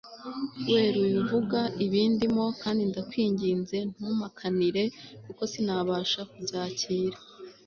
weruye uvuga ibindimo kandi ndakwinginze ntumpakanire kuko sinabasha kubyakira